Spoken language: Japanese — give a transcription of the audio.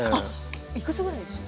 いくつぐらいですか。